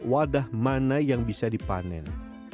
wadah mana yang bisa dipanen